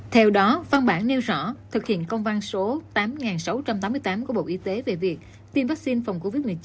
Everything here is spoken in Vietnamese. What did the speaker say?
theo đó văn bản nêu rõ thực hiện công văn số tám nghìn sáu trăm tám mươi tám của bộ y tế về việc tiêm vaccine phòng covid một mươi chín